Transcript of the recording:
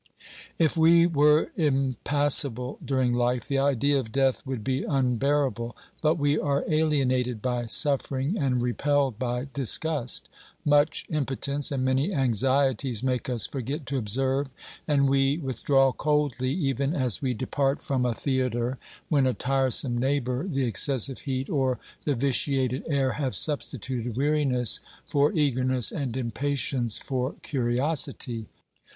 If we were impas sible during life, the idea of death would be unbearable, but we are alienated by suffering and repelled by disgust ; much impotence and many anxieties make us forget to observe, and we withdraw coldly, even as we depart from a theatre when a tiresome neighbour, the excessive heat, or the vitiated air have substituted weariness for eagerness and impatience for curiosity.